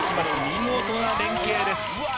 見事な連携です